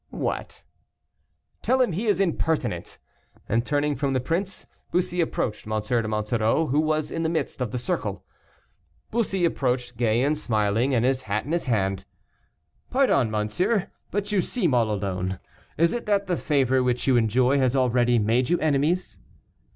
"What?" "Tell him he is impertinent." And, turning from the prince, Bussy approached M. de Monsoreau, who was in the midst of the circle. Bussy approached, gay and smiling, and his hat in his hand. "Pardon, monsieur, but you seem all alone. Is it that the favor which you enjoy has already made you enemies?"